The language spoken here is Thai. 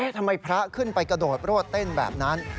ทำไมพระขึ้นไปกระโดดรวดเต้นแบบนั้น